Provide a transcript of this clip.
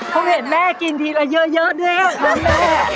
เพราะเห็นแม่กินทีละเยอะด้วยครับครับแม่